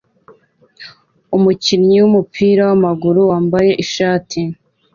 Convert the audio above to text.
Umukinnyi wumupira wamaguru wambaye ishati